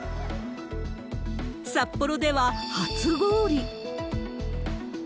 札幌では初氷。